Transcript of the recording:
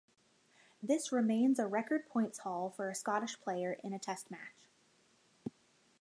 This remains a record points haul for a Scottish player in a test match.